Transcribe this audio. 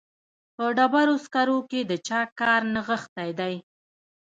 په ډبرو سکرو کې د چا کار نغښتی دی